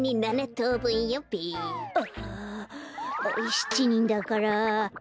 ７にんだから。